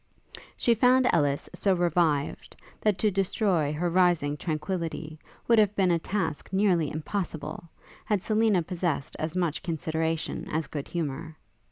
She found Ellis so revived, that to destroy her rising tranquillity would have been a task nearly impossible, had Selina possessed as much consideration as good humour.